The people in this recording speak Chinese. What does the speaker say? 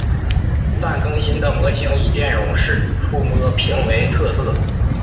但更新的模型以电容式触摸屏为特色。